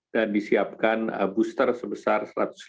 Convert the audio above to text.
dan disiapkan booster sebesar satu ratus lima puluh delapan tiga ratus satu